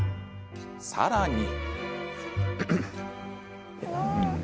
さらに。